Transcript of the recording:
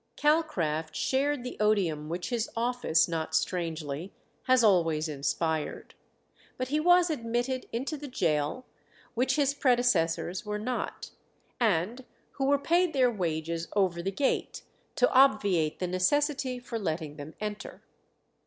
Calcraft shared the odium which his office, not strangely, has always inspired. But he was admitted into the gaol, which his predecessors were not, and who were paid their wages over the gate to obviate the necessity for letting them enter.